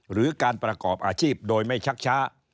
หรือการประกอบอาชีพโดยไม่ชักช้า